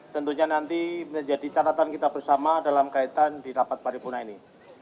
tentunya nanti menjadi catatan kita bersama dalam kaitan di rapat paripurna ini